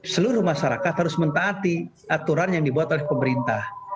seluruh masyarakat harus mentaati aturan yang dibuat oleh pemerintah